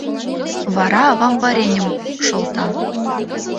Вара авам вареньым шолта.